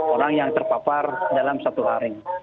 orang yang terpapar dalam satu hari